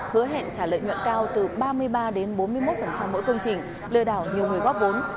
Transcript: hứa hẹn trả lợi nhuận cao từ ba mươi ba đến bốn mươi một mỗi công trình lừa đảo nhiều người góp vốn